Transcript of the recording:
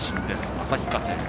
旭化成。